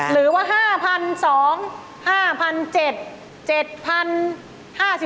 หรือว่า๕๒๐๐บาท๕๗๐๐บาท